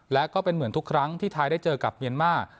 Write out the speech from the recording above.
และก็เป็นเหมือนทุกครั้งที่ไทยได้เจอกับเมียนมาร์